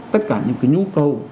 tất cả những cái nhu cầu